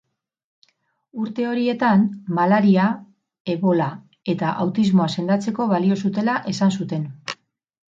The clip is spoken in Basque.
Urte horietan, malaria, ebola eta autismoa sendatzeko balio zutela esan zuten.